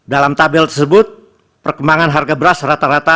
dalam tabel tersebut perkembangan harga beras rata rata